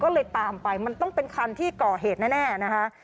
ก็เลยตามไปมันต้องเป็นคันที่ก่อเหตุแน่นะคะ